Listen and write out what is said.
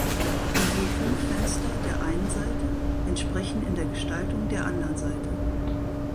Die je fünf Fenster der einen Seite entsprechen in der Gestaltung der andern Seite.